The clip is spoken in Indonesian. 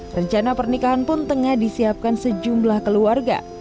rencana pernikahan pun tengah disiapkan sejumlah keluarga